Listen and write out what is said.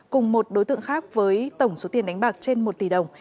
cùng một đối tượng khác với tổng số tiền đánh bạc trên một tỷ đồng